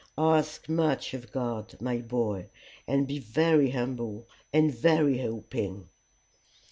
Ask much of God, my boy, and be very humble and very hoping."